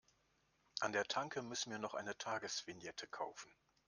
An der Tanke müssen wir noch eine Tagesvignette kaufen.